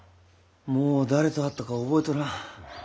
もう誰と会ったか覚えとらん。